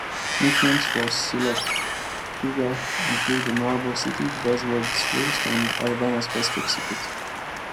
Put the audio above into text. Nicknames for Sylacauga include "The Marble City", "Buzzard's Roost", and "Alabama's Best-Kept Secret".